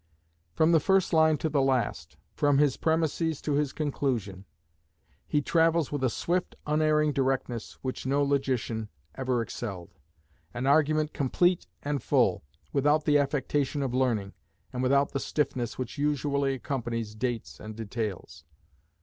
From the first line to the last, from his premises to his conclusion, he travels with a swift, unerring directness which no logician ever excelled, an argument complete and full, without the affectation of learning, and without the stiffness which usually accompanies dates and details.